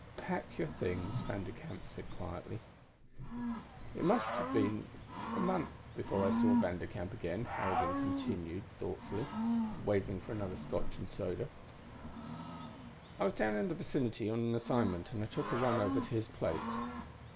"_ "Pack your things," Vanderkamp said quietly. "It must have been all of a month before I saw Vanderkamp again," Harrigan continued, waving for another scotch and soda. "I was down in the vicinity on an assignment and I took a run over to his place.